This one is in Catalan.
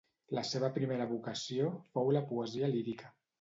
La seva primera vocació fou la poesia lírica.